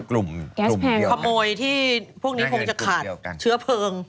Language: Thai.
กลุ่มขโมยที่พวกนี้คงจะขาดเชื้อเพลิง